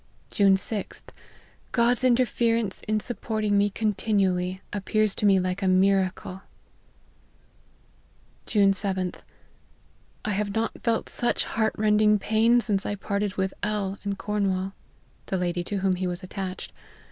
" June 6th. God's interference in supporting me continually, appears to me like a miracle." " June 7th. I have not felt such heart rending pain since I parted with L in Cornwall. [The 'lady to whom he was attached.